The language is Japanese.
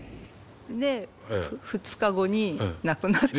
で２日後に亡くなって。